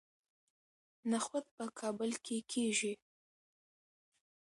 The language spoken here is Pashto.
نخود په کابل کې کیږي